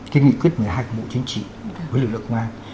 cái nghị quyết một mươi hai của bộ chính trị với lực lượng công an